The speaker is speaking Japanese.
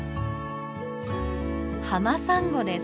ハマサンゴです。